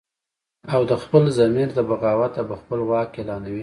او د خپل ضمیر د بغاوته به خپل واک اعلانوي